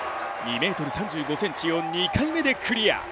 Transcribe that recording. ２ｍ３５ｃｍを２回目でクリア。